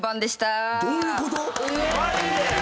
マジで！